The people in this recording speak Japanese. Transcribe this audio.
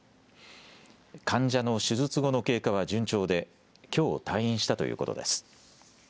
患者の手術後の経過は順調できょう退院したということです。